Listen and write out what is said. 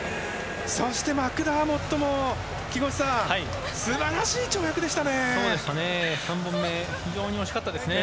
そしてマクダーモットも木越さん素晴らしい跳躍でしたね。